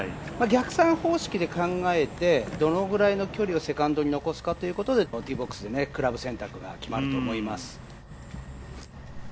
逆算方式で考えてどのぐらいの距離をセカンドに残すかでティーボックスでクラブ選択が決まると思います。